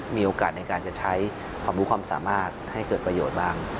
มีโอกาสในการจะใช้ความรู้ความสามารถให้เกิดประโยชน์บ้าง